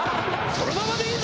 「そのままでいいぞ！」